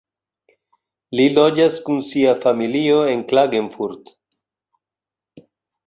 Li loĝas kun sia familio en Klagenfurt.